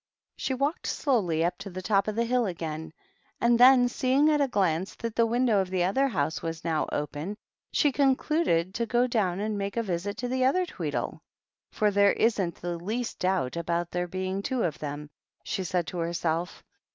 She walk< slowly up to the top of the hill again, and tin seeing at a glance that the window of the oth house was now open, she concluded to go do^ and make a visit to the other Tweedle, "F there isn't the least doubt about there being t^ of them," she said to herself.